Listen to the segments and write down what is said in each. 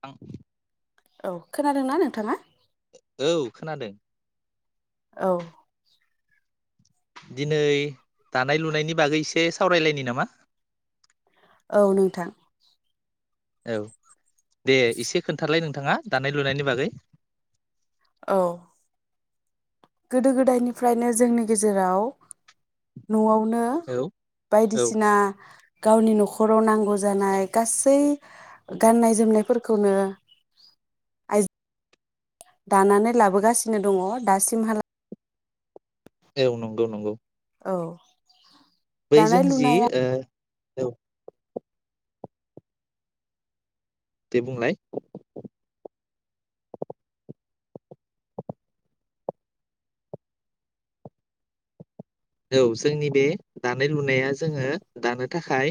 थां औ खोनादोंना नोंथाङा? औ खोनादों। औ। दिनै दानाय लुनायनि बागै एसे सावरायलायनि नामा? औ नोंथां। औ दे एसे खोन्थालाय नोंथाङा दानाय लुनायनि बागै। औ। गोदो गोदायनिफ्रायनो जोंनि गेजेराव न'आव नों औ औ बायदिसिना गावनि न'ख खराव नांगौ जानाय गासै गाननाय जोमनाय फोर खौनो आइ दानानै लाबोगासिनो दङ दासिमहा औ नंगौ नंगौ। औ। बैजों दानाय जि लुनाया ओ औ। दे बुंलाय औ जोंनि बे दानाय लुनाया जोङो दानो थाखाय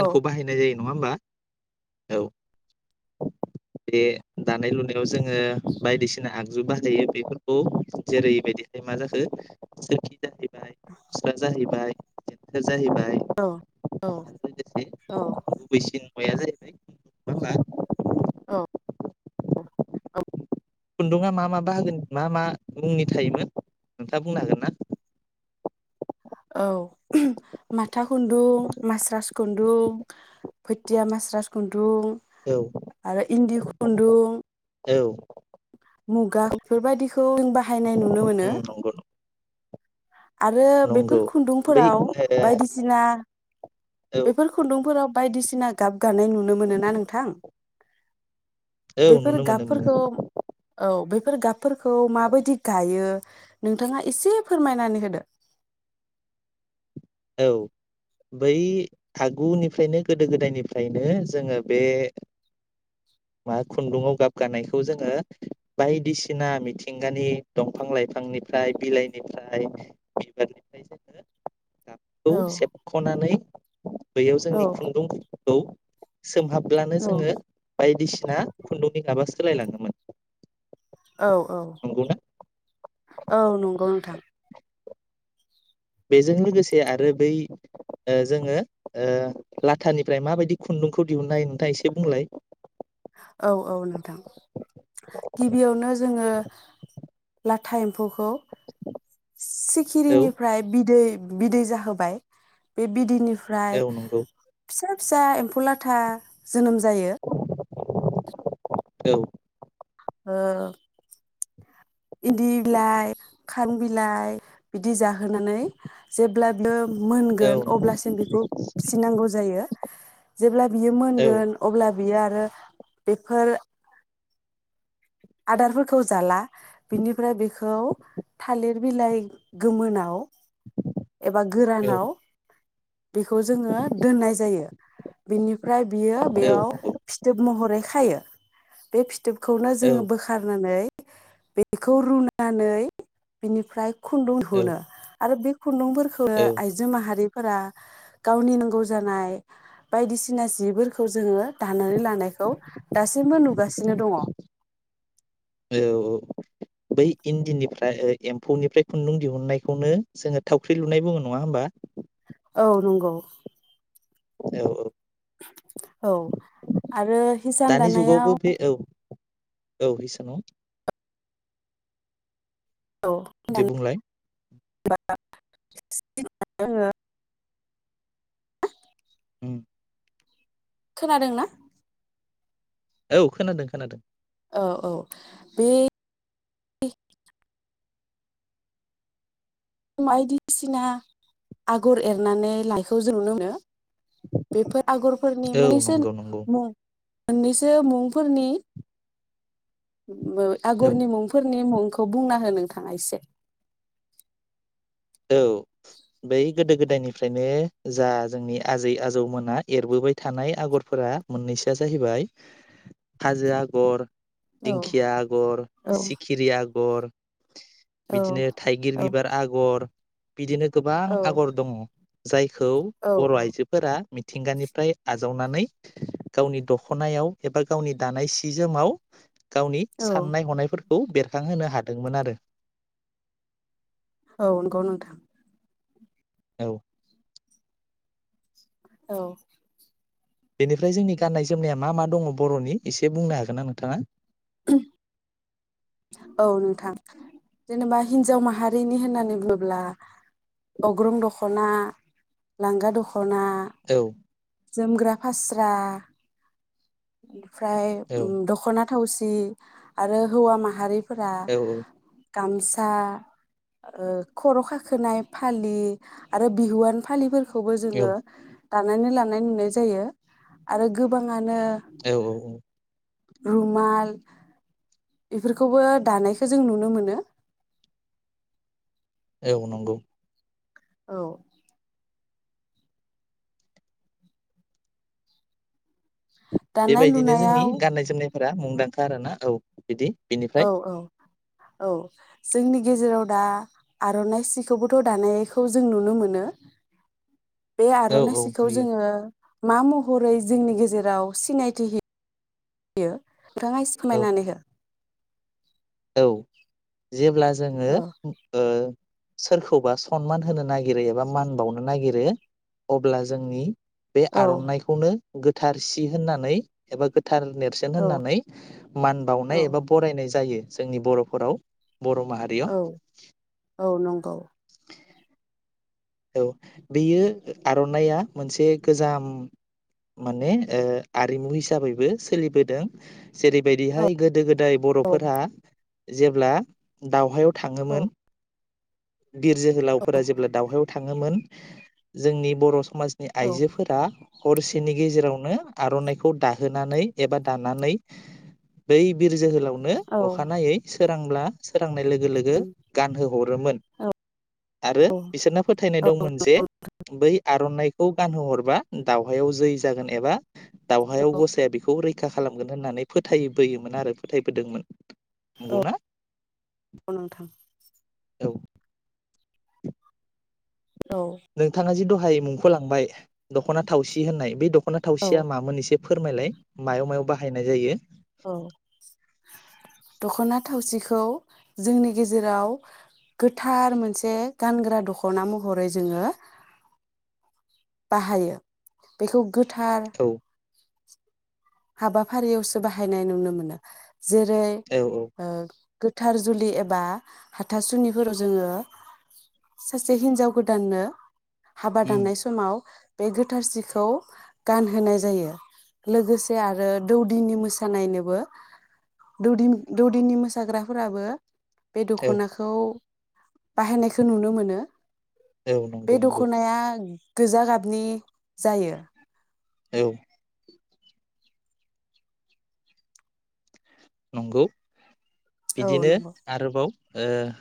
औ बाहायनाय जायो नङा होनबा औ बे दानाय लुनायाव जोङो बायदिसिना आगजु बाहायो बेफोरखौ जेरैबायदिहाय मा जाखो [unintelligible] [unintelligible] जाहैबाय जेन्थोर जाहैबाय औ औ आरो लोगोसे गुबैसिन मुवाया जाहैबाय [unintelligible] औ औ खुन्दुंङा मा मा बाहागोनि मा मा मुंनि थायोमोन नोंथाङा बुंनो हागोन ना? औ माथा खुन्दुं मास्रास खुन्दुं फोथिया मास्रास खुन्दुं खुन्दुं औ आरो इन्दि खुन्दुं औ मुगा बेफोरबायदिखौ जों बाहायनाय नुनो मोनो। उम नंगौ आरो नंगौ बेफोर बै खुन्दुंफोराव ओ बायदिना औ बेफोर खुन्दुंफोराव बायदिसिना गाब गानाय नुनो मोनो ना नोंथां? औ बेफोर नुनो मोनो मोनो गाबफोरखौ औ बे फोर गाब फोरखौ माबायदि गायो नोंथाङा एसे फोरमायनानै होदो औ बै आगुनिफ्रायनो गोदो गोदायनिफ्रायनो जोङो बे मा खुन्दुाव गाबगानायखौ जोङो बायदिसिना मिथिंगानि दंफां लाइफांनिफ्राय बिलाइनिफ्राय बिबारनिफ्राय जोङो खौ औ सेबख'नानै बैयाव औ जोंनि खुन्दुंफोरखौ सोमहाबब्लानो औ जोङो बायदिसिना खुन्दुंनि गाबा सोलायलाङोमोन। औ औ नंगौना औ नंगौ नोंथां बेजों लोगोसे आरो बै जोङो लाथानिफ्राय माबायदि खुन्दुंखौ दिहुननाय हायो नोंथांङा एसे बुंलाय औ औ नोंथां गिबियावनो जोङो [inaudible] एम्फौखौ औ सिखिरिनिफ्राय बिदै बिदै जाहोबाय बे बिदैनि फ्राय औ नंगौ फिसा फिसा एम्फौ लाथा जोनोम जायो। औ ओ इन्दि बिलाइ खारं बिलाइ बिदि जाहोनानै जेब्लाबो औ मोनगोन नंगौ अब्लासिम बेखौ फिसिनांगौ जायो। जेब्ला बियो औ मोनगोन अब्ला बियो आरो बेफोर आदारफोरखौ जाला बिनिफ्राय बेखौ थालिर बिलाइ गोमोनाव एबा औ नंगौ गोरानाव बेखौ जोङो दोननाय जायो। बिनि फ्राय बियो औ बेयाव फिथोब महरै खायो बे फि थोबखौनो औ जोङो नानै बेखौ रुनानै बिनिफ्राय खुन्दुं औ धुनो आरो बे खुन्दुंफोरखौ औ आइजो माहारि फोरा गावनि नांगौ जानाय बायदिसिना जिफोरखौ जोङो दानानै लानायखौ दासिमबो नुगासिनो दङ। औ बै इन्दिनिफ्राय एम्फौनिफ्राय खुन्दुं दिहुननायखौनो जोङो थावख्रि लुनाय बुङो नङा होमबा? औ नंगौ। औ औ। औ आरो हिसान दानि जुगावबो दानायाव बे औ औ हिसानाव औ दे बुंलाय [unintelligible] [unintelligible] उम। खोनादोंना? औ खोनादों खोनादों। औ औ बे बायदिसिना आगर एरनानै लाइखौ जों नुनो मोनो। बेफोर आगरफोरनि औ मोनैसो नंगौ नंगौ मुं मोननैसो मुंफोरनि औ आगरनि मुंफोरनि मुं खौ बुंना हो नोंथाङा एसे। औ बै गोदो गोदायनिफ्रायनो जा जोंनि आजै आजौमोना एरबोबाय थानाय आगरफोरा मोननैसोआ जाहैबाय हाजो आगर औ दिंखिया आगर औ सिखिरि आगर अर औ बिदिनो थाइगिर औ बिबार आगर बिदिनो गोबां औ आगर दङ। जाय खौ औ बर' आइजोफोरा मिथिंगानिफ्राय आजावनानै गावनि दख'नायाव एबा गावनि दानाय सि जोमाव गावनि औ साननाय हनायफोर खौ बेरखांहोनो हादोंमोन आरो। औ नंगौ नोंथां। औ औ बेनिफ्राय जोंनि गाननाय जोमनाया मा मा दङ बर'नि एसे बुंनो हागोननां नोंथाङा? [unintelligible] औ नोंथां जेनेबा हिनजाव माहारिनि होननानै बुङोब्ला अग्रं दख'ना लांगा दख दख'ना औ जोमग्रा फास्रा [unintelligible] फ्राय औ दख'ना थावसि आरो हौवा मा हारि फोरा औ गामसा खर' खाखोनाय फालि आरो बिहुवान फालि फोर खौबो औ जोङो दानानै लानाय नुनाय जायो आरो गोबां औ औ औ रुमाल बेफोरखौबो दानायखौ जों नुनो मोनो। औ नंगौ। औ दानाय बेबायदिनो जोंनि लुनायाव गाननाय जोमनाय फोरा मुंदांखा आरोना औ बिदि बिनिफ्राय औ औ औ जोंनि गेजेराव दा आर'नाइ सिखौबोथ' दानायखौ जों नुनो मोनो। बे औ आर'नाइ औ सिखौ नुयो जोङो मा महरै जोंनि गेजेराव सिनायथि होयो। नोंथाङा एसे औ फोरमायनानै हो। औ जेब्ला जोंङो औ ओ सोरखौबा सनमान होनो नागिरो एबा मान बावनो नागिरो अब्ला जोंनि बे औ आर'नाइखौनो गोथार सि होननानै एबा थार नेरसोन औ होननानै मान बावनाय एबा औ बरायनाय जायो। जोंनि बर'फोराव बर' माहारियाव औ औ नंगौ औ बेयो आर'नाइआ मोनसे गोजाम माने ओ आरिमु हिसाबैबो सोलिबोदों। औ जेरैबायदिहाय गोदो गोदाय औ बर'फोरा जेब्ला दावहायाव औ थाङोमोन। बिर जोहोलावफोरा जेब्ला दावहायाव ओमोन जोंनि बर' स समाजनि औ आइजोफोरा हरसेनि गेजेरावनो आर'नाइखौ दाहोनानै एबा दानानै बै बिर जोहोलाव नो अखानायै सो रांब्ला सोरांनाय लोगो गानोहो हरोमोन औ आरो बिसोरनो फोथायनाय दंमोन जे बै आरखौ गानहो हर बा दावहायाव जै जागोन एबा दावहायाव गसाया बेखौ रै खा खालामगोन होननानै फोथायबोयोमोन आरो फोथायबोदोंमोन। औ नंगौना नंगौ नोंथां औ औ नोंथाङा जि द हाय मुंख' लांबाय दखना थावसि होननाय बे द खना औ थावसिया मामोन एसे फोरमायलाय मायाव मायाव बाहायनाय जायो? औ दख'ना थावसिखौ जोंनि गेजेराव गोथार मोनसे गानग्रा दख'ना महरै जोंङो बाहायो बेखौ गोथार औ हाबाफारियावसो बाहायनाय नुनो मोनो। जेरै औ औ ओ गोथार जुलि एबा हाथासुनिफोराव जोङो सासे हिनजाव गोदाननो हाबा उम दाननाय समाव बे गोथारसिखौ गानहोनाय जायो लोगोसे आरो दौदिनि मोसानायनोबो दौदि-दौदिनि मोसाग्राफोराबो बे औ दख'नाखौ बाहायनायखौ नुनो मोनो औ बे नंगौ नंगौ दख'नाया गोजा गाबनि जायो औ नंगौ औ बिदिनो नंगौ। आरोबाव ओह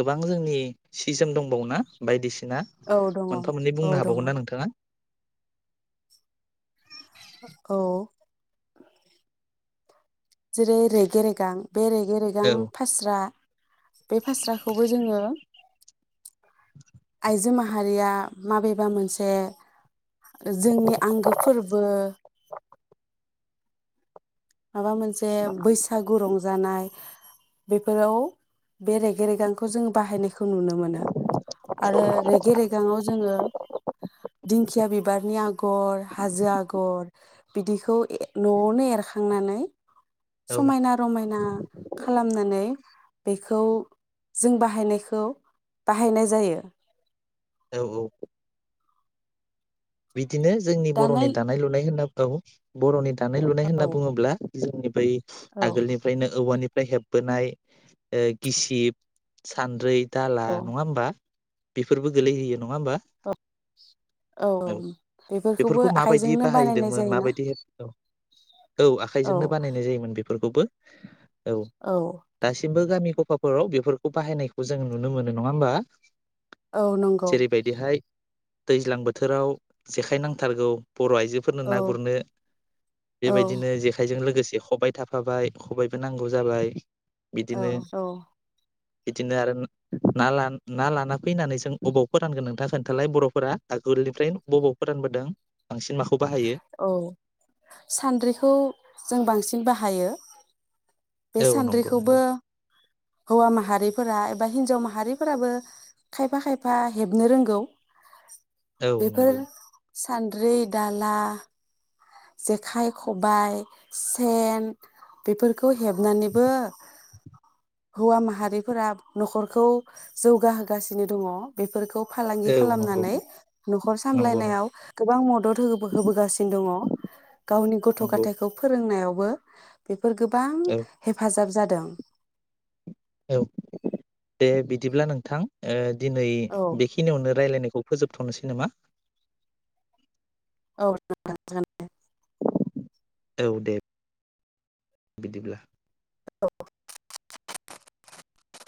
गोबां जोंनि सि जोम दंबावो ना बायदिसि ना औ दङ मोनफा मोननै औ बुंनो दङ हाबावगोन ना नोंथाङा औ जेरै रेगे रेगां बे रेगे रेगां औ फास्रा बे फास्राखौबो जोङो आइजो माहारिया माबेबा मोनसे जोंनि आंगो फोरबो माबा मोनसे बैसागु रं जानाय बेफोराव बे रेगे रेगांखौ जों बाहायनायखौ खौ नुनो मोनो आरो रेगे रेगाङाव जोङो दिंखिया बिबारनि आ गर हाजो आगर, बिदिखौ ए न'आवनो एरखा खांनानै औ समायना रमायना खालामनानै बेखौ जों बाहायनायखौ बाहायनाय जायो। औ औ बिदिनो जोंनि बर'नि दानाय लुनाय होनना औ बर'नि दानाय लुनाय औ होनना बुङोब्ला। जोंनि बै औ आगोलनिफ्रायनो औवानि फ्राय हेबबोनाय ओ गिसिब, सान्द्रै दाला औ नङा होमबा? बेफोरबो गोलैहोयो नङा होमबा? औ औ बेफोरखौबो बेफोरखौ माबायदि आखाइजोंनो बानायनाय बाहायदोंमोन जायोना माबायदि औ औ आखाइजोंनो बानायनाय जायोमोन बे फोरखौबो। औ दासिमबो गामि गफाफोराव बेफोरखौ बाहायनायखौ जोङो नुनो मोनो नङा होमबा? औ नंगौ। जेरैबायदिहाय दैज्लां बोथोराव जेखाइ नांथारगौ बर' आइजोफोरनो ना औ गुरनो औ बेबायदिनो जेखाइजों लोगोसे ख'बाय थाफाबाय ख'बायबो नांगौ जाबाय। औ बिदिनो औ बिदिनो आरो ना लान ना लाना फैनानै जों अबाव फोरानगोन नोंथाङा खोन्थालाय बर'फोरा आगोलनिफ्राय। बबाव फोरानबोदों बांसिन माख औ सान्द्रिखौ जों बांसिन बाहायो। [unintelligible] बे औ नंगौ सान्द्रिखौबो नंगौ हौवा माहारिफोरा एबा हिनजाव माहारिफोराबो खायफा खायफा हेबनो रोंगौ। औ नंगौ। सानद्रि दाला जेखाइ खबाय सेन बेफोरखौ हेबनानैबो हौवा माहारिफोरा न'खरखौ जौगाहोगासिनो दङ बेफोरखौ। फालांगि औ नंगौ खालामनानै न'खर नंगौ सामलायनायाव गोबां मदद होबोगासिनो दङ गावनि गथ' नंगौ गथायखौ फोरोंनायाव बो फोर गोबां औ हेफाजाब जाद दों औ दे बिदिब्ला नोंथां ओ दिनै औ बेखिनियावनो रायलायनाय फोजोबथ'नोसै नामा? औ [unintelligible] जागोन दे। औ दे बिदिब्ला औ